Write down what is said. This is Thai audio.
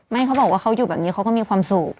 เขาบอกว่าเขาอยู่แบบนี้เขาก็มีความสุข